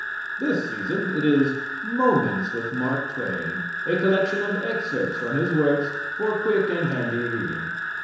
This season it is "Moments With Mark Twain," a collection of excerpts from his works for quick and handy reading.